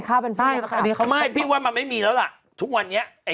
ข้าวเป็นค่ะไม่พี่ว่ามันไม่มีแล้วล่ะทุกวันเนี้ยไอ้